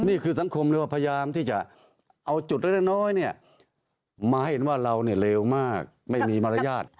นี่คือสังคมเลยว่าพยายามที่จะเอาจุดเล็กน้อยมาเห็นว่าเราเลวมากไม่มีมารยาท